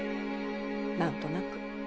何となく。